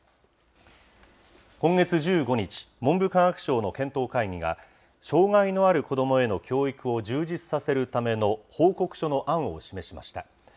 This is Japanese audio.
今月１５日、文部科学省の検討会議が、障害のある子どもへの教育を充実させるための報告書の案を示しました。